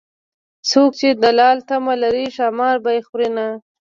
څوک چې د لال تمه لري ښامار به يې خورینه